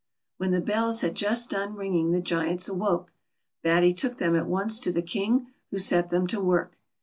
When the bells had just done ringing the Giants awoke. Batty took them at once to the King, who set them to work.